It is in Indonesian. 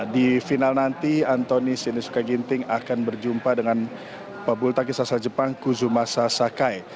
di final nanti anthony sinusuka ginting akan berjumpa dengan pabulta kisah kisah jepang kuzumasa sakai